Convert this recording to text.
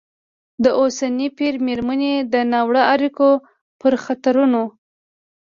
د اوسني پېر مېرمنې د ناوړه اړیکو پر خطرونو